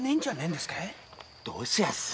どうします？